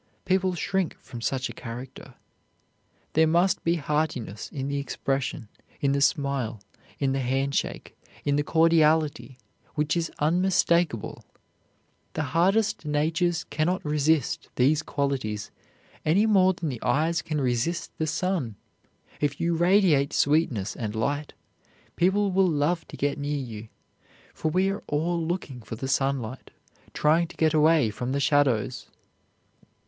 People shrink from such a character. There must be heartiness in the expression, in the smile, in the hand shake, in the cordiality, which is unmistakable. The hardest natures can not resist these qualities any more than the eyes can resist the sun. If you radiate sweetness and light, people will love to get near you, for we are all looking for the sunlight, trying to get away from the shadows.